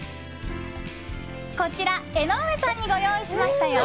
こちら江上さんにご用意しましたよ。